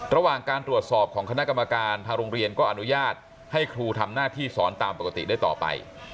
ระหว่างการตรวจสอบของคณะกรรมการทางโรงเรียนก็อนุญาตให้ครูทำหน้าที่สอนตามปกติได้ต่อไป